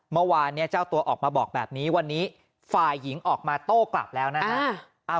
เมื่อวานเนี่ยเจ้าตัวออกมาบอกแบบนี้วันนี้ฝ่ายหญิงออกมาโต้กลับแล้วนะฮะ